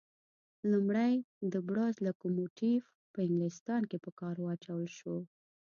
لومړی د بړاس لکوموټیف په انګلیستان کې په کار واچول شو.